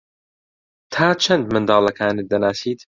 تا چەند منداڵەکانت دەناسیت؟